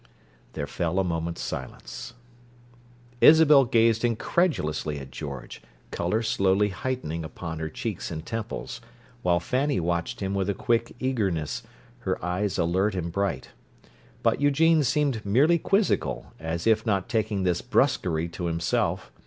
There fell a moment's silence. Isabel gazed incredulously at George, colour slowly heightening upon her cheeks and temples, while Fanny watched him with a quick eagerness, her eyes alert and bright. But Eugene seemed merely quizzical, as if not taking this brusquerie to himself.